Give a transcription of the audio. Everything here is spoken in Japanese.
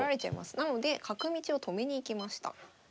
なので角道を止めに行きました。